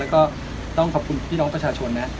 ก็ต้องขอบคุณพี่น้องประชาชนนะ